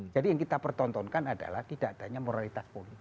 jadi yang kita pertontonkan adalah tidak adanya moralitas politik